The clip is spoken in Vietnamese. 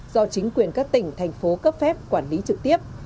do chính quyền các tỉnh thành phố cấp phép quản lý trực tiếp